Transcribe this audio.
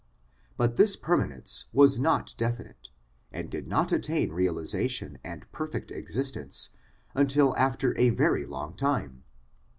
But this permanence was not definite, and did not attain realisation and perfect existence until after a very long time.